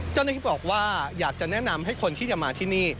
เจ้าหน้าที่บอกว่าอยากจะแนะนำให้คนที่จะมาที่นี่